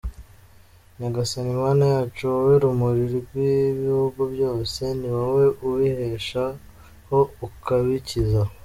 Nyagasani Mana yacu, wowe Rumuri rw’ibihugu byose, ni wowe ubibeshaho ukabikiza.